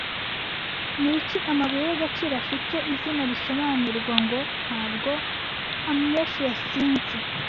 Niki amabuye y'agaciro afite izina risobanurwa ngo ntabwo Amethyst yasinze